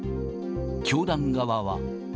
教団側は。